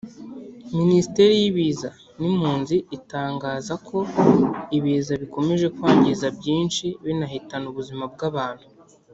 Minisiteri y’Ibiza n’Impunzi itangaza ko ibiza bikomeje kwangiza byinshi binahitana ubuzima bw’abantu